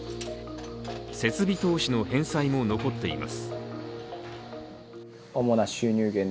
設備投資の返済も残っています。